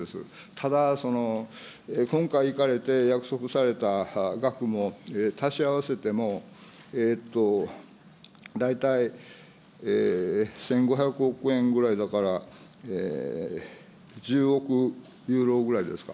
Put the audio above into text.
ただ、その今回行かれて、約束された額も、足し合わせても、大体、１５００億円ぐらいだから、１０億ユーロぐらいですか。